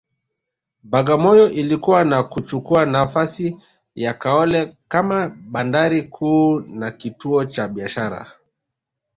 Bagamoyo ilikua na kuchukua nafasi ya Kaole kama bandari kuu na kituo cha biashara